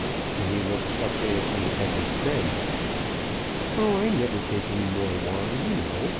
and he looked suppliantly at his friend. "Oh, I never take any more wine, you know.